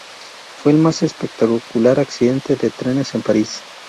Fue el más espectacular accidente de trenes en París.